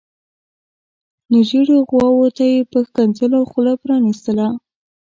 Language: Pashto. نو زیړو غواوو ته یې په ښکنځلو خوله پرانیستله.